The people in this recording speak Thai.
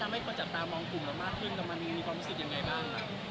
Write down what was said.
แล้วมันมีความรู้สึกยังไงบ้าง